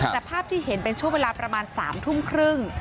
แต่ภาพที่เห็นเป็นช่วงเวลาประมาณ๓ทุ่มครึ่ง